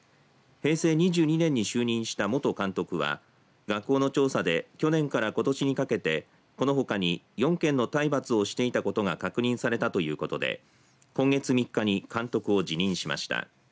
平成２２年に就任した元監督は学校の調査で去年からことしにかけてこのほかに４件の体罰をしていたことが確認されたということで今月３日に監督を辞任しました。